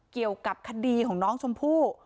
เกี่ยวกับคดีของน้องชมพู่